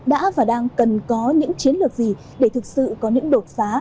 đã và đang cần có những chiến lược gì để thực sự có những đột phá